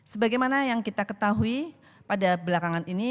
sebagai mana yang kita ketahui pada belakangan ini